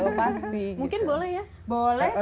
mungkin boleh ya